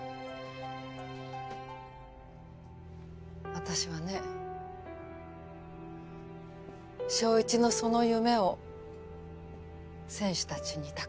私はね翔一のその夢を選手たちに託してきたんです。